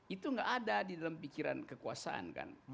itu nggak ada di dalam pikiran kekuasaan kan